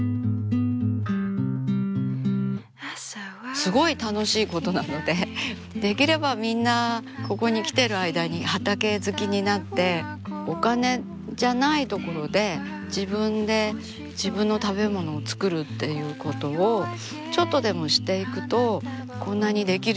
すごい楽しいことなのでできればみんなここに来てる間に畑好きになってお金じゃないところで自分で自分の食べ物を作るっていうことをちょっとでもしていくとこんなにできるようになるので。